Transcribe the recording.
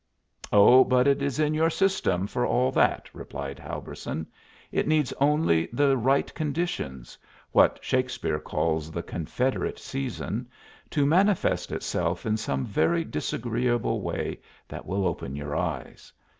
"Oh, but it is 'in your system' for all that," replied Helberson; "it needs only the right conditions what Shakespeare calls the 'confederate season' to manifest itself in some very disagreeable way that will open your eyes.